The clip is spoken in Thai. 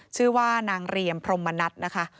ชื่อว่านางเรียมพรมมณัฐนะคะ